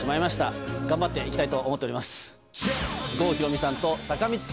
頑張っていきたいと思っております。